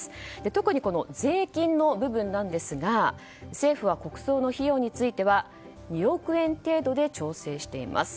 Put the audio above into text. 特に税金の部分なんですが政府は国葬の費用については２億円程度で調整しています。